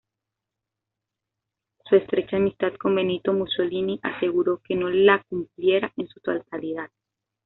Su estrecha amistad con Benito Mussolini aseguró que no la cumpliera en su totalidad.